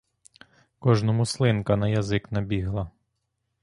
Кожному слинка на язик набігала.